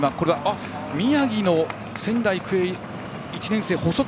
宮城の仙台育英１年生の細川。